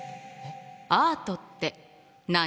「アートって何？」。